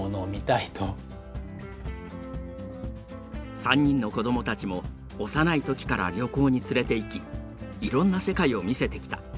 ３人の子どもたちも幼い時から旅行に連れていきいろんな世界を見せてきた。